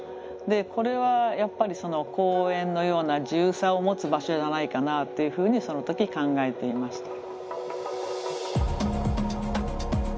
これはやっぱり公園のような自由さを持つ場所じゃないかなというふうにその時考えていました。